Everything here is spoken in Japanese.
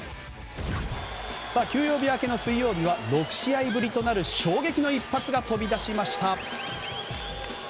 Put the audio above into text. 休養日明けの水曜日は６試合ぶりとなる衝撃の一発が飛び出しました。